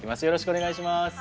よろしくお願いします。